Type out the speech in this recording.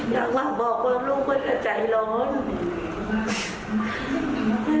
อยากว่าบอกว่าลูกไว้ก็ใจร้อน